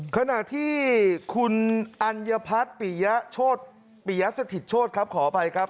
ขณะที่คุณอัญญพัฒน์ปริยสถิตชฎขออภัยครับ